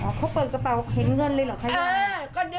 อ๋อเขาเปิดกระเป๋าเข็นเงินเลยเหรอครับยาย